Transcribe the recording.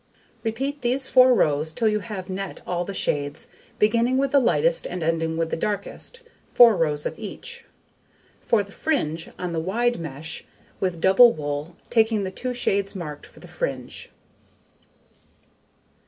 Repeat these 4 rows till you have net all the shades, beginning with the lightest and ending with the darkest; 4 rows of each. For the fringe, on the wide mesh, with double wool, taking the 2 shades marked for the fringe.